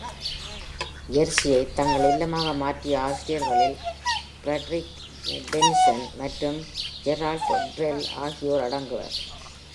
ஜெர்சியை தங்கள் இல்லமாக மாற்றிய ஆசிரியர்களில் ஃபிரடெரிக் டென்னிசன் மற்றும் ஜெரால்ட் டரெல் ஆகியோர் அடங்குவர்.